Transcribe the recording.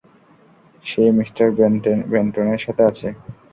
সে Mr বেন্টনের সাথে আছে।